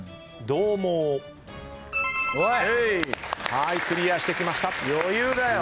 はいクリアしてきました。